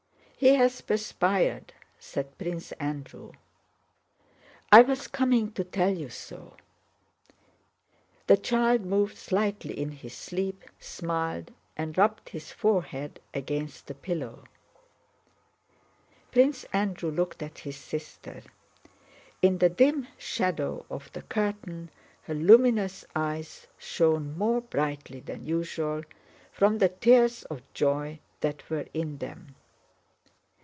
"He has perspired," said Prince Andrew. "I was coming to tell you so." The child moved slightly in his sleep, smiled, and rubbed his forehead against the pillow. Prince Andrew looked at his sister. In the dim shadow of the curtain her luminous eyes shone more brightly than usual from the tears of joy that were in them.